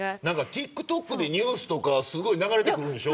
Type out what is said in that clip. ＴｉｋＴｏｋでニュースとか流れてくるんでしょ。